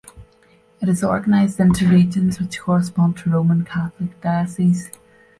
It is organized into regions which correspond to Roman Catholic dioceses.